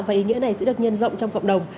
và ý nghĩa này sẽ được nhân rộng trong cộng đồng